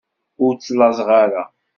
Ur ttlaẓeɣ ara.